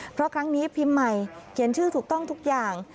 เพราะครั้งนี้พิมพ์ใหม่เขียนชื่อถูกต้องทุกอย่าง